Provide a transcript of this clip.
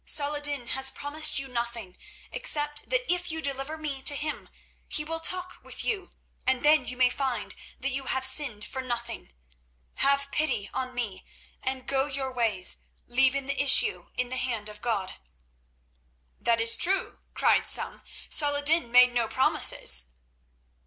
Saladin has promised you nothing, except that if you deliver me to him, he will talk with you, and then you may find that you have sinned for nothing. Have pity on me and go your ways, leaving the issue in the hand of God." "That is true," cried some. "Saladin made no promises."